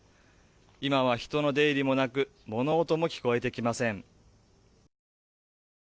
今は人の出入りもなく物音も聞こえてきません。